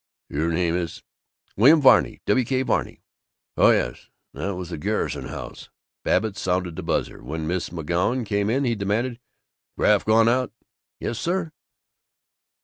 "Your name is ?" "William Varney W. K. Varney." "Oh, yes. That was the Garrison house." Babbitt sounded the buzzer. When Miss McGoun came in, he demanded, "Graff gone out?" "Yes, sir."